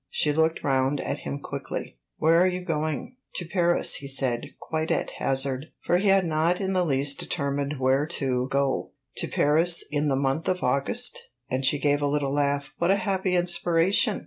She looked round at him quickly. "Where are you going?" "To Paris," he said, quite at hazard; for he had not in the least determined where to go. "To Paris in the month of August?" And she gave a little laugh. "What a happy inspiration!"